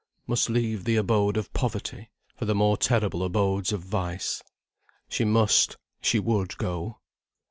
Must leave the abode of poverty, for the more terrible abodes of vice. She must she would go.